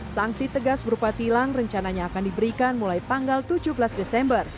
sanksi tegas berupa tilang rencananya akan diberikan mulai tanggal tujuh belas desember